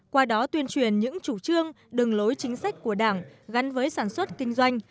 qua đó tuyên truyền những chủ trương đường lối chính sách của đảng gắn với sản xuất kinh doanh